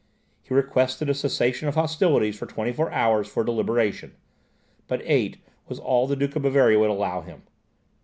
He requested a cessation of hostilities for twenty four hours for deliberation; but eight was all the Duke of Bavaria would allow him.